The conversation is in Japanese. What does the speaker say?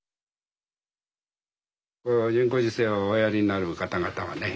人工授精をおやりになる方々はね